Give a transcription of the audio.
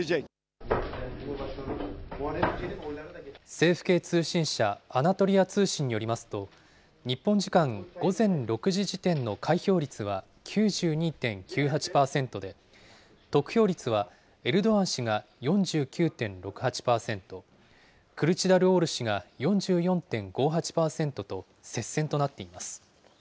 政府系通信社アナトリア通信によりますと、日本時間午前６時時点の開票率は９２．９８％で、得票率はエルドアン氏が４９．６８％、クルチダルオール氏が４４．５８％と接戦となっています。